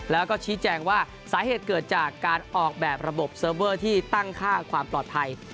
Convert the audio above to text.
แล้วก็ชี้แจงว่าสาเหตุเกิดจากการออกแบบระบบเซิร์ฟเวอร์ที่ตั้งค่าความปลอดภัย